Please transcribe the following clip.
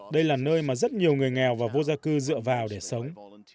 đây là nơi mà rất nhiều người nghèo và vô gia cư dựa vào để sống